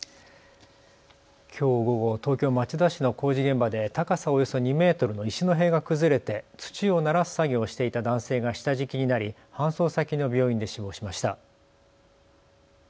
きょう午後、東京町田市の工事現場で高さおよそ２メートルの石の塀が崩れて土をならす作業をしていた男性が下敷きになり搬送先の病院で死亡しました。